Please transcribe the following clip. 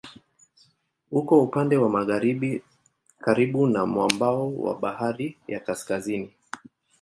Uko upande wa magharibi karibu na mwambao wa Bahari ya Kaskazini.